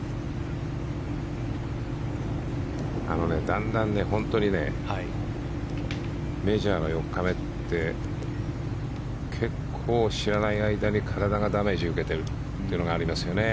だんだんメジャーの４日目って結構、知らない間に体がダメージ受けてるってのがありますよね。